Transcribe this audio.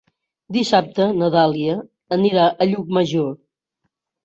Dissabte na Dàlia anirà a Llucmajor.